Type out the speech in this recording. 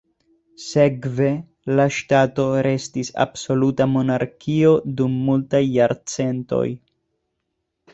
Sekve, la ŝtato restis absoluta monarkio dum multaj jarcentoj.